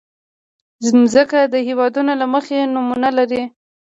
مځکه د هېوادونو له مخې نومونه لري.